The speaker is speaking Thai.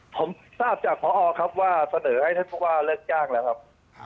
ผมทราบจากพอครับว่าเสนอให้ท่านผู้ว่าเลิกจ้างแล้วครับ